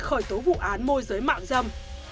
khởi tố vụ án môi giới mạnh dâm